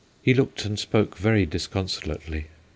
He looked and spoke very disconsolately.'